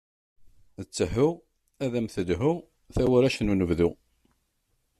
Ttehhu, ad am-telhu, tawaract n unebdu.